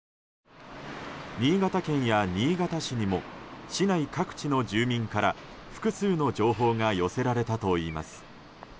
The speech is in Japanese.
新潟県や新潟市にも市内各地の住民から複数の情報が寄せられたといいます。